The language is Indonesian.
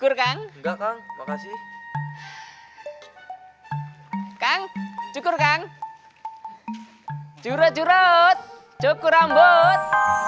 enggak kang makasih kang cukur kang jurut jurut cukur rambut